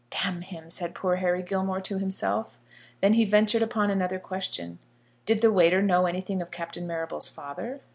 "D him," said poor Harry Gilmore to himself. Then he ventured upon another question. Did the waiter know anything of Captain Marrable's father?